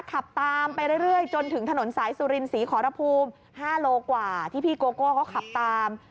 ขับตามไปเรื่อยจนถึงถนนสายสุรินศรีขอรภูมิ๕โลกว่าที่พี่โกโก้เขาขับตาม